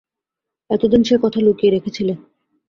এতদিন সে কথা লুকিয়ে রেখেছিলে।